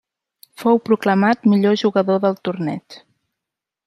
Fou proclamat millor jugador del torneig.